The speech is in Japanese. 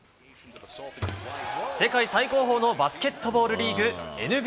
世界最高峰のバスケットボールリーグ、ＮＢＡ。